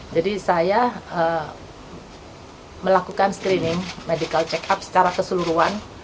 jadi saya melakukan screening medical check up secara keseluruhan